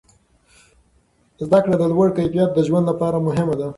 زده کړه د لوړ کیفیت د ژوند لپاره مهمه ده.